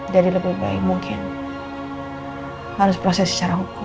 jadi lebih baik mungkin harus proses secara hukum